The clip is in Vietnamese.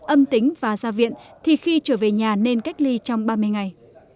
âm tính và ra viện thì khi trở về nhà nên cách ly trong ba mươi ngày